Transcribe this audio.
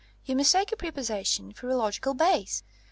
You mistake a prepossession for a logical base.